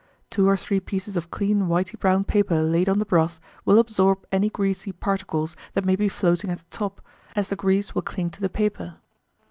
Two or three pieces of clean whity brown paper laid on the broth will absorb any greasy particles that may be floating at the top, as the grease will cling to the paper.